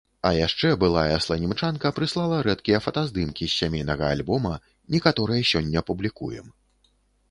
А яшчэ былая сланімчанка прыслала рэдкія фотаздымкі з сямейнага альбома, некаторыя сёння публікуем.